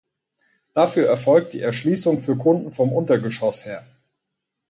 Dafür erfolgt die Erschließung für Kunden vom Untergeschoss her.